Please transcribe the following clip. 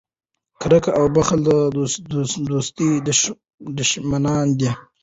کرکه او بخل د دوستۍ دشمنان دي.